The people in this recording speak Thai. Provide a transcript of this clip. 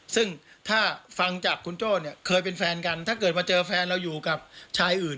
ซึ่งถ้าฟังจากคุณโจ้เนี่ยเคยเป็นแฟนกันถ้าเกิดมาเจอแฟนเราอยู่กับชายอื่น